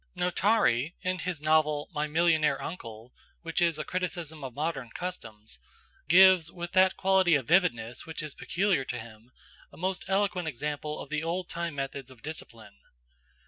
Notari, in his novel, "My Millionaire Uncle," which is a criticism of modern customs, gives with that quality of vividness which is peculiar to him, a most eloquent example of the old time methods of discipline.